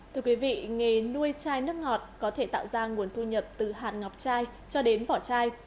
thưa quý vị nghề nuôi chai nước ngọt có thể tạo ra nguồn thu nhập từ hạn ngọc chai cho đến vỏ chai